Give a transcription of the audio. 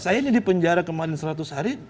saya ini di penjara kemarin seratus hari